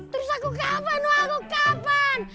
terus aku kapan aku kapan